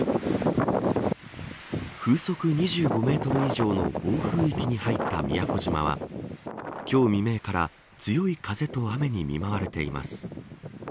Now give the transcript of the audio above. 風速２５メートル以上の暴風域に入った宮古島は今日未明から強い風と雨に見舞われています。